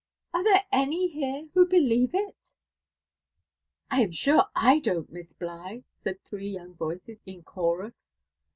Are there any here who believe it ?"^' Tarn sure I don't, Miss Bligh," said three young voices in chorus.